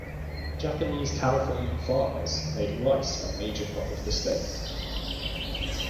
Japanese Californian farmers made rice a major crop of the state.